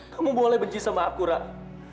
kamu boleh benci sama aku ratu